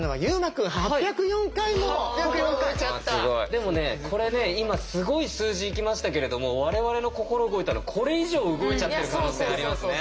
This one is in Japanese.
でもねこれね今すごい数字いきましたけれども我々の心動いたのこれ以上動いちゃってる可能性ありますね。